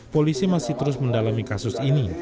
polisi masih terus mendalami kasus ini